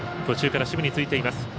途中から守備についています。